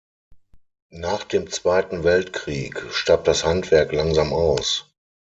Nach dem Zweiten Weltkrieg starb das Handwerk langsam aus.